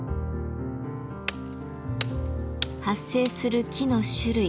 発生する木の種類